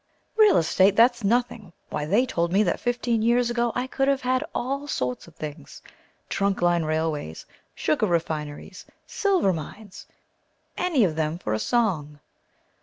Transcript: Real estate! That's nothing! Why they told me that fifteen years ago I could have had all sorts of things, trunk line railways, sugar refineries, silver mines, any of them for a song.